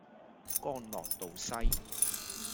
干諾道西